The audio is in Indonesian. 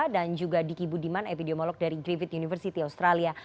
dan juga diki budiman epidemiolog dari griffith university australia